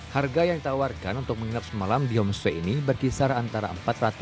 harga yang ditawarkan untuk menginap semalam di homestay ini berkisar antara rp empat ratus rp lima ratus